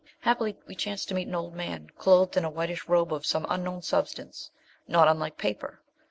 Happily we chanced to meet an old man, clothed in a whitish robe of some unknown substance, not unlike paper.